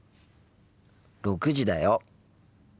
６時だよ。